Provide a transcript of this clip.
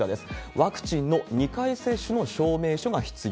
ワクチンの２回接種の証明書が必要。